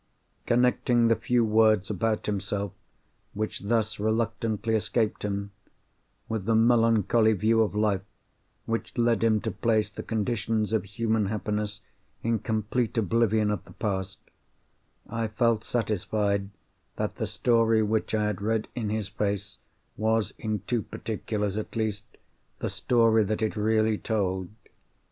Connecting the few words about himself which thus reluctantly escaped him, with the melancholy view of life which led him to place the conditions of human happiness in complete oblivion of the past, I felt satisfied that the story which I had read in his face was, in two particulars at least, the story that it really told.